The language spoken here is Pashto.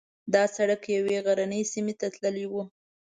دا سړک یوې غرنۍ سیمې ته تللی و.